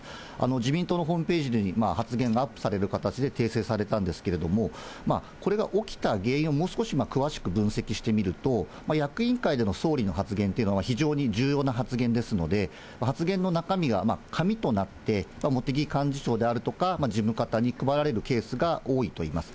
自民党のホームページに発言がアップされる形で訂正されたんですけれども、これが起きた原因をもう少し詳しく分析してみると、役員会での総理の発言っていうのは非常に重要な発言ですので、発言の中身が紙となって、茂木幹事長であるとか、事務方に配られるケースが多いといいます。